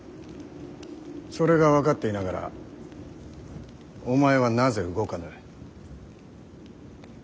それが分かっていながらお前はなぜ動かぬ。